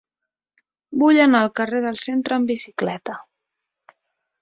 Vull anar al carrer del Centre amb bicicleta.